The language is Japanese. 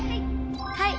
はい。